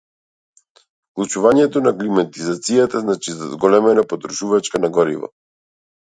Вклучувањето на климатизацијата значи зголемена потрошувачка на гориво.